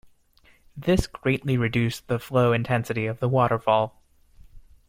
This greatly reduced the flow intensity of the waterfall.